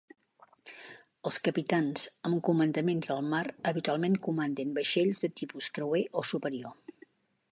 Els capitans amb comandaments al mar habitualment comanden vaixells de tipus creuer o superior.